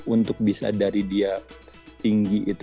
untuk bisa dari dia tinggi itu